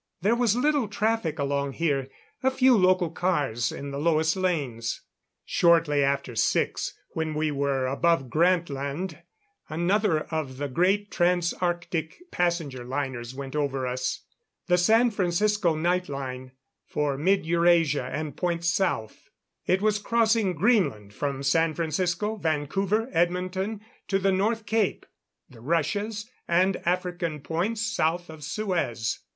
There was little traffic along here; a few local cars in the lowest lanes. Shortly after six, when we were above Grantland, another of the great trans Arctic passenger liners went over us. The San Francisco Night line, for Mid Eurasia and points South. It was crossing Greenland, from San Francisco, Vancouver, Edmonton, to the North Cape, the Russias, and African points south of Suez.